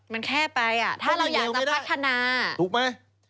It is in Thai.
มันแคบไปถ้าเราอยากจะพัฒนามันวิ่งเร็วไม่ได้ถูกไหม